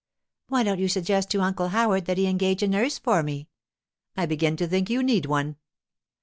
'Why don't you suggest to Uncle Howard that he engage a nurse for me?' 'I begin to think you need one!